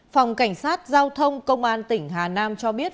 phòng cảnh sát giao thông công an tỉnh hà nam cho biết